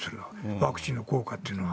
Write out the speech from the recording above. ワクチンの効果というのは。